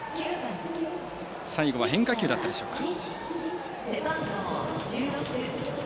最後は変化球だったでしょうか。